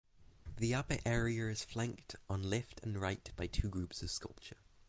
The upper area is flanked on left and right by two groups of sculpture.